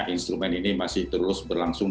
instrumen ini masih terus berlangsung